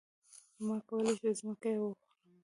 ما کولی شو ځمکه يې وخورمه.